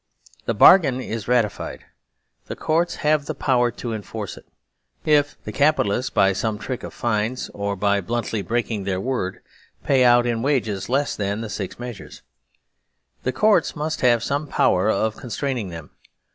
The bargain is ratified ; the Courts have the power to enforce it. If the Capitalists by some trick of fines or by bluntly breaking their word pay out in wages less than the six measures, the Courts must 173 THE SERVILE STATE have some power of constraining them.